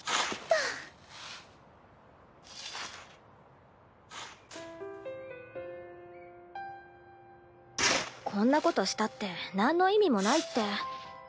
ザクッこんなことしたってなんの意味もないって。